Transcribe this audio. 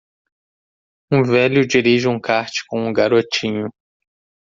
Um velho dirige um kart com um garotinho.